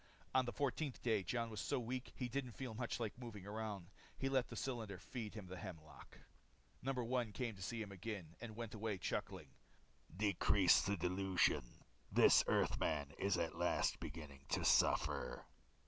On the fourteenth day, Jon was so weak he didn't feel much like moving around. He let the cylinder feed him the hemlock. No. 1 came again to see him, and went away chuckling, "Decrease the dilution. This Earthman at last is beginning to suffer."